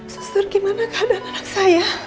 suster gimana keadaan anak saya